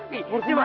sama burung wang